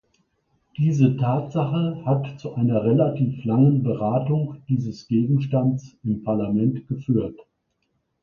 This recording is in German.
Diese Tatsache hat zu einer relativ langen Beratung dieses Gegenstands im Parlament geführt.